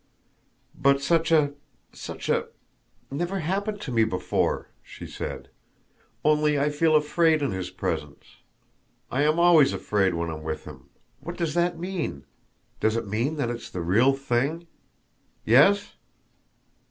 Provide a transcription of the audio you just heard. "But such a... such a... never happened to me before!" she said. "Only I feel afraid in his presence. I am always afraid when I'm with him. What does that mean? Does it mean that it's the real thing? Yes?